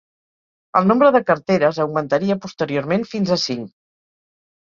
El nombre de carteres augmentaria posteriorment fins a cinc.